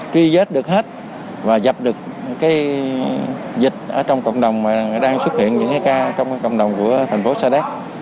truy vớt được hết và dập được dịch ở trong cộng đồng và đang xuất hiện những ca trong cộng đồng của thành phố sa đéc